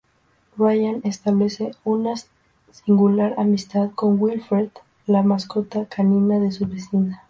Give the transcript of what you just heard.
Ryan, establece una singular amistad con Wilfred, la mascota canina de su vecina.